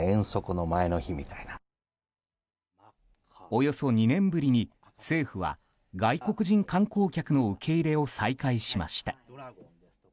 およそ２年ぶりに、政府は外国人観光客の受け入れを再開しました。